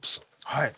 はい。